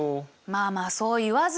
まあまあそう言わずに。